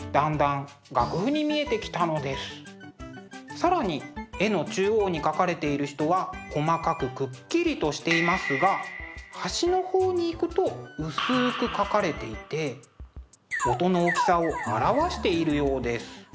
更に絵の中央に描かれている人は細かくくっきりとしていますが端のほうに行くと薄く描かれていて音の大きさを表しているようです。